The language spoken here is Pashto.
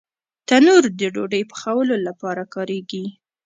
تنور د ډوډۍ پخولو لپاره کارېږي